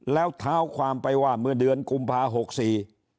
แล้วเท้าความไปว่าเมื่อเดือนกุมภาหกสี่